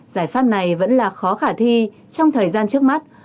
giải pháp này vẫn là khó khả thi trong thời gian trước mắt